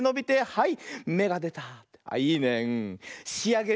はい。